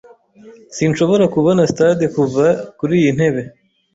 Sinshobora kubona stade kuva kuriyi ntebe.